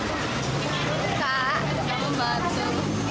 enggak enggak membantu